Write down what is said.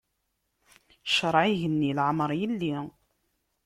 Ccṛaɛ igenni leɛmeṛ yelli.